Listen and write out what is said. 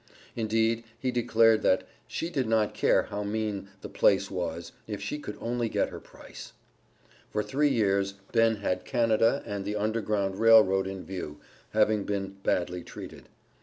Indeed he declared that "she did not care how mean the place was, if she could only get her price." For three years Ben had Canada and the Underground Rail Road in view, having been "badly treated."